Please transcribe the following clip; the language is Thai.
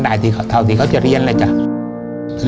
มันสูงสุดเท่าที่จะเรียนได้เท่าที่เค้าจะเรียน